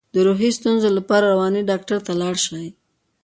د روحي ستونزو لپاره د رواني ډاکټر ته لاړ شئ